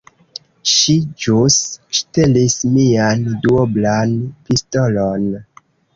Ŝi ĵus ŝtelis mian duoblan pistolon.